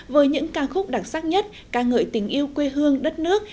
với những ca khúc đặc sắc nhất ca ngợi tình yêu quê hương đất nước